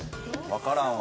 わからんわ。